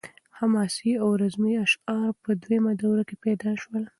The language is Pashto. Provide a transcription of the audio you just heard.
حماسي او رزمي اشعار په دویمه دوره کې پیدا شول.